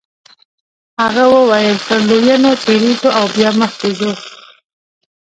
هغه وویل تر لویینو تیریږو او بیا مخکې ځو.